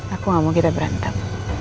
aku gak mau kita berantem